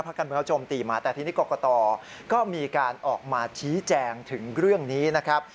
การเมืองเขาโจมตีมาแต่ทีนี้กรกตก็มีการออกมาชี้แจงถึงเรื่องนี้นะครับ